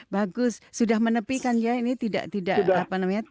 bagus sudah menepikan ya ini tidak mengemudi ya